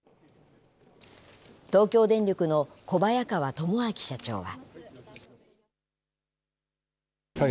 東京電力の小早川智明社長は。